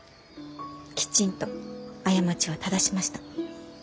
きちんと過ちを正しました。